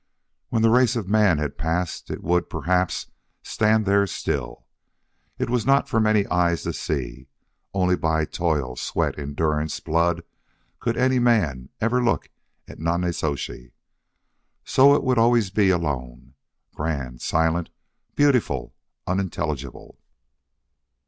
When the race of man had passed it would, perhaps, stand there still. It was not for many eyes to see. Only by toil, sweat, endurance, blood, could any man ever look at Nonnezoshe. So it would always be alone, grand, silent, beautiful, unintelligible.